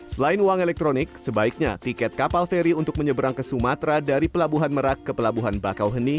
selain uang elektronik sebaiknya tiket kapal feri untuk menyeberang ke sumatera dari pelabuhan merak ke pelabuhan bakauheni